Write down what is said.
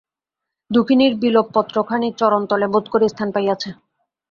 দুখিনীর বিলবপত্রখানি চরণতলে বোধ করি স্থান পাইয়াছে!